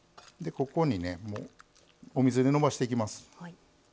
ここにお水で延ばしていきます。